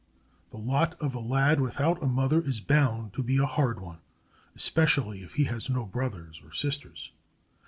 The lot of a lad without a mother is bound to be a hard one, especially if he has no brothers or sisters.